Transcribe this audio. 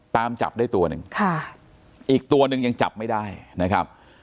ตามจับได้ตัวหนึ่งค่ะอีกตัวหนึ่งยังจับไม่ได้นะครับ